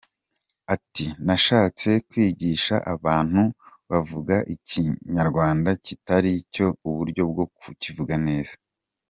Ati “Nashatse kwigisha abantu bavuga Ikinyarwanda kitari cyo uburyo bwo kukivuga neza.